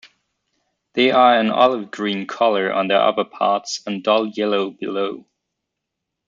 They are an olive-green color on their upperparts and dull yellow below.